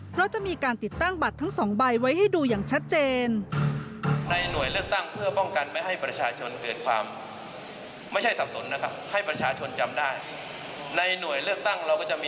เพราะจะมีการติดตั้งบัตรทั้ง๒ใบไว้ให้ดูอย่างชัดเจน